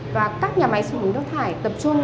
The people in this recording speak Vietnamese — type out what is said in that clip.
và các nhà máy xử lý nước thải tập trung